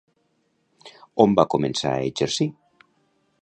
On va començar a exercir?